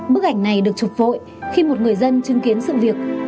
bức ảnh này được trục vội khi một người dân chứng kiến sự việc